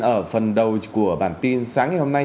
ở phần đầu của bản tin sáng ngày hôm nay